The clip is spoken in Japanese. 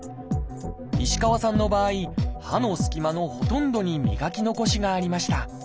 石川さんの場合歯のすき間のほとんどに磨き残しがありました。